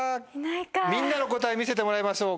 みんなの答え見せてもらいましょう。